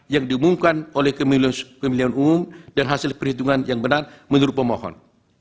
yang diumumkan oleh pemilihan umum dan hasil perhitungan yang benar menurut pemohon